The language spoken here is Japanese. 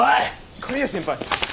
刈谷先輩！